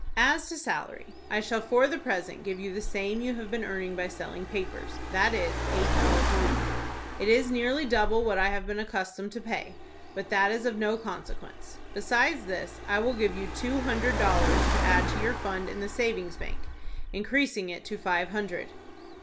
"As to salary I shall for the present give you the same you have been earning by selling papers,—that is, eight dollars a week. It is nearly double what I have been accustomed to pay, but that is of no consequence. Besides this, I will give you two hundred dollars to add to your fund in the savings bank, increasing it to five hundred."